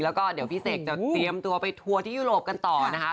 แล้วก็เดี๋ยวพี่เสกจะเตรียมตัวไปทัวร์ที่ยุโรปกันต่อนะคะ